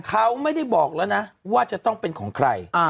เขาไม่ได้บอกแล้วนะว่าจะต้องเป็นของใคร